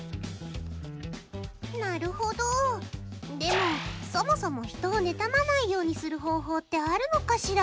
なるほど、でもそもそも人を妬まないようにする方法ってあるのかしら。